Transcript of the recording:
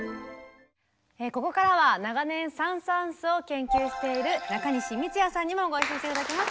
ここからは長年サン・サーンスを研究している中西充弥さんにもご一緒して頂きます。